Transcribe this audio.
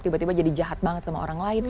tiba tiba jadi jahat banget sama orang lain